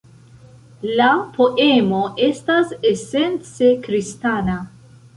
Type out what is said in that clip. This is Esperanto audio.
La poemo estas esence kristana.